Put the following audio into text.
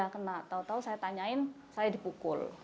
kena tau tau saya tanyain saya dipukul